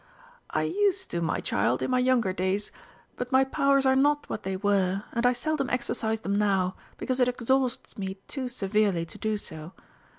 "I used to, my child, in my younger days, but my powers are not what they were, and I seldom exercise them now, because it exhausts me too severely to do so.